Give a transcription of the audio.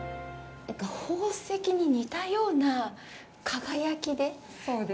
なんか宝石に似たような輝きで。